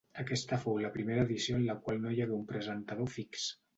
Aquesta fou la primera edició en la qual no hi hagué un presentador fix.